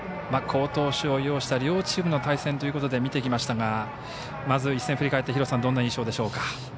好投手を擁した両チームの対戦ということで見てきましたがまず一戦振り返ってどんな印象でしょうか？